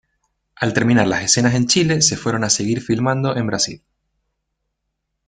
Al terminar las escenas en Chile se fueron a seguir filmando en Brasil.